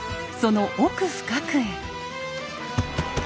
その奥深くへ！